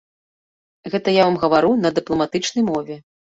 Гэта я вам гавару на дыпламатычнай мове.